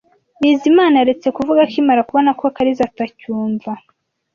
Bizimana yaretse kuvuga akimara kubona ko Kariza atakumva.